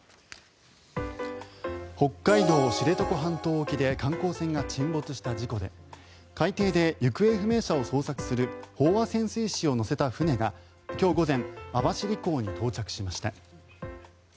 北海道・知床半島沖で観光船が沈没した事故で海底で行方不明者を捜索する飽和潜水士を乗せた船が今日午前網走港に到着しました。